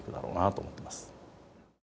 と思ってます。